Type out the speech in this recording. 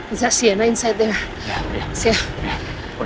itu sienna di dalam sana